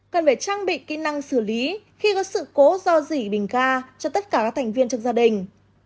cần phải trang bị kỹ năng xử lý khi có sự cố do dỉ bình ga cho tất cả các thành viên trong gia đình